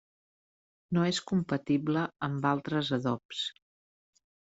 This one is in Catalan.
No és compatible amb altres adobs.